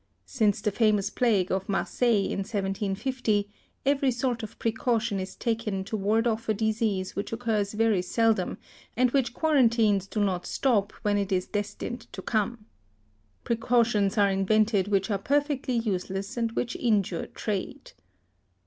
Since the famous plague of Mar seiUes in 1750, eveiy sort of precaution is taken to ward oflF a disease which occurs very seldom, and which quarantines do not stop when it is destined to come. Precautions are invented which are perfectly useless and which injure trade.